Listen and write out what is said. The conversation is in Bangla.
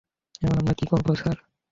এখন আমরা কী করবো, স্যার?